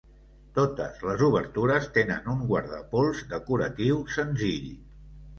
Totes les obertures tenen un guardapols decoratiu senzill.